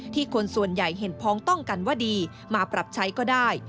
คนส่วนใหญ่เห็นพ้องต้องกันว่าดีมาปรับใช้ก็ได้